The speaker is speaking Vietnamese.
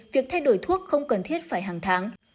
việc thay đổi thuốc không cần thiết phải hàng tháng